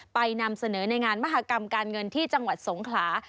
นำเสนอในงานมหากรรมการเงินที่จังหวัดสงขลา